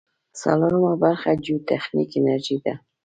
څلورمه برخه جیوتخنیک انجنیری ده.